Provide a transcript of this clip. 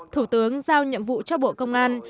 thủ tướng giao nhiệm vụ cho bộ công an